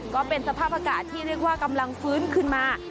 ก็เป็นสภาพอากาศที่เรียกว่ากำลังฟื้นขึ้นมา